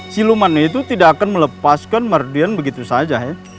si luman itu tidak akan melepaskan mardian begitu saja hei